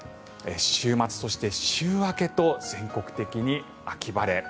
週末そして週明けと全国的に秋晴れ。